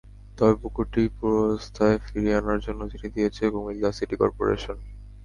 তবে পুকুরটি পূর্বাবস্থায় ফিরিয়ে আনার জন্য চিঠি দিয়েছে কুমিল্লা সিটি করপোরেশন।